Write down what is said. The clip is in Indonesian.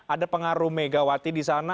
ada pengaruh megawati di sana